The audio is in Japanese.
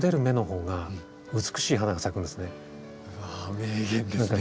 うわ名言ですね。